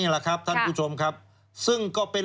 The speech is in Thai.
นี่แหละครับทุกครับซึ่งก็เป็น